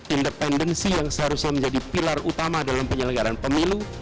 independensi yang seharusnya menjadi pilar utama dalam penyelenggaran pemilu